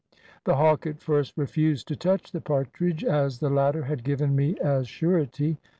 The hawk at first refused to touch the partridge as the latter had given me as surety.